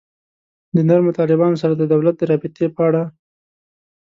د نرمو طالبانو سره د دولت د رابطې په اړه.